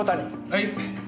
はい！